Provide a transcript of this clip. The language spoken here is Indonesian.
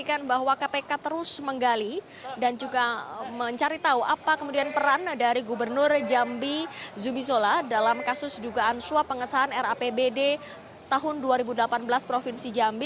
kepada kppi kppi mencari tahu apa peran dari gubernur jambi zubizola dalam kasus juga ansua pengesahan rapbd tahun dua ribu delapan belas provinsi jambi